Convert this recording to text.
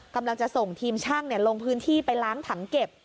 กำลังจะส่งทีมช่างลงพื้นที่ไปล้างถังเก็บ